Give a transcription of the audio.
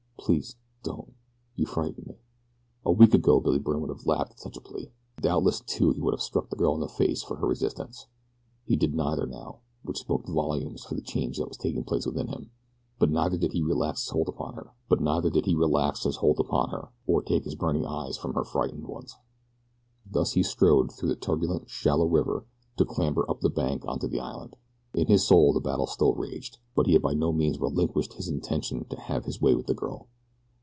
"Please don't, you frighten me." A week ago Billy Byrne would have laughed at such a plea. Doubtless, too, he would have struck the girl in the face for her resistance. He did neither now, which spoke volumes for the change that was taking place within him, but neither did he relax his hold upon her, or take his burning eyes from her frightened ones. Thus he strode through the turbulent, shallow river to clamber up the bank onto the island. In his soul the battle still raged, but he had by no means relinquished his intention to have his way with the girl.